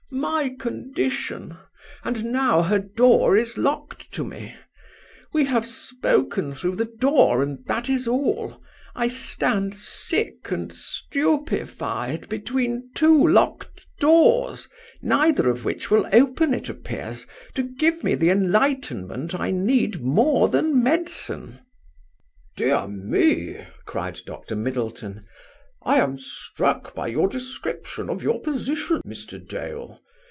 "My condition! And now her door is locked to me! We have spoken through the door, and that is all. I stand sick and stupefied between two locked doors, neither of which will open, it appears, to give me the enlightenment I need more than medicine." "Dear me!" cried Dr. Middleton, "I am struck by your description of your position, Mr. Dale.